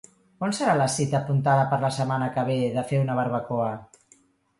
On serà la cita apuntada per la setmana que ve de fer una barbacoa?